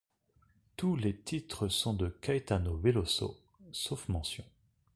Tous les titres sont de Caetano Veloso, sauf mentions.